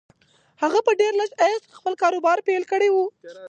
هغه په ډېر لږ عاید خپل کاروبار پیل کړی و